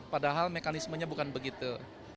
padahal mekanismenya bukan begitu